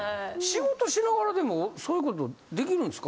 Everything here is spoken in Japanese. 仕事しながらでもそういうことできるんですか？